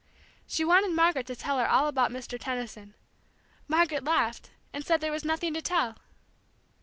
She wanted Margaret to tell her all about Mr. Tenison. Margaret laughed, and said there was nothing to tell.